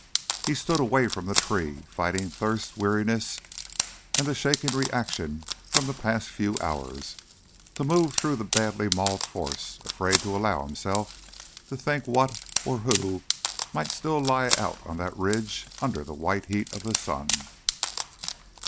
He stood away from the tree, fighting thirst, weariness, and the shaking reaction from the past few hours, to move through the badly mauled force, afraid to allow himself to think what or who might still lie out on the ridge under the white heat of the sun.